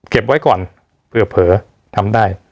ไว้ก่อนเผลอทำได้